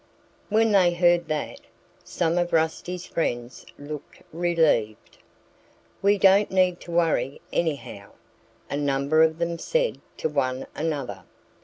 When they heard that, some of Rusty's friends looked relieved. "We don't need to worry, anyhow," a number of them said to one another.